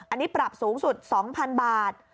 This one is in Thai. อันนี้ปรับสูงสุด๒๐๐๐บาท